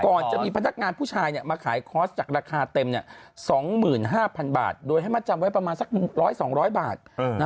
จะมีพนักงานผู้ชายมาขายคอร์สจากราคาเต็ม๒๕๐๐๐บาทโดยให้มัดจำไว้ประมาณสัก๑๐๐๒๐๐บาท